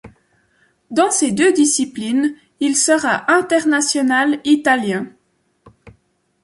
Dans ces deux disciplines, il sera international italien.